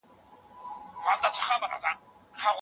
زموږ تاریخ یو دی.